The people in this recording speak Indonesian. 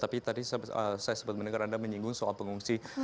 tapi tadi saya sempat mendengar anda menyinggung soal pengungsi